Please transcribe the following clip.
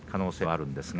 ありますね。